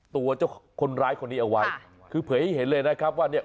ตัวเจ้าคนร้ายคนนี้เอาไว้คือเผยให้เห็นเลยนะครับว่าเนี่ย